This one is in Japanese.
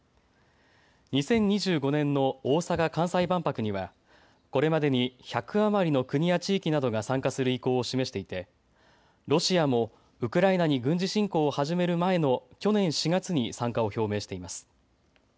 ２０２５年の大阪・関西万博にはこれまでに１００余りの国や地域などが参加する意向を示していてロシアもウクライナに軍事侵攻を始める前の去年４月に参加を表明しています。